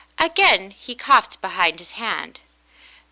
Again he coughed behind his hand.